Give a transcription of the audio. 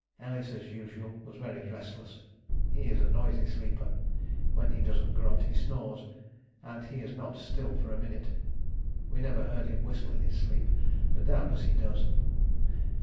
Ellis, as usual, was very restless. He is a noisy sleeper. When he doesn't grunt he snores, and he is not still for a minute. We never heard him whistle in his sleep, but doubtless he does.